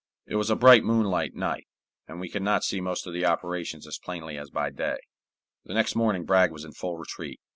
It was a bright moonlight night, and we could see most of the operations as plainly as by day. The next morning Bragg was in full retreat.